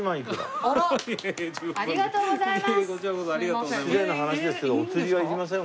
ハハハありがとうございます。